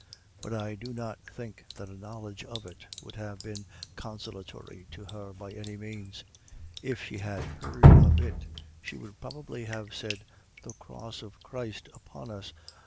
But I do not think that a knowledge of it would have teen consolatory to her by any means. If she had heard of it, she would probably have said, "The cross of Christ upon us.